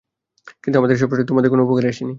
কিন্তু আমার এসব প্রচেষ্টা তোমাদের কোন উপকারে আসেনি।